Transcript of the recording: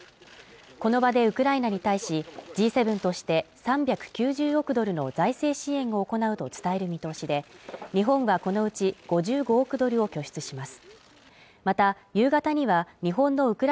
この場でウクライナに対し、Ｇ７として３９０億ドルの財政支援を行うと伝える見通しで、日本がこのうち５５億ドルを拠出します。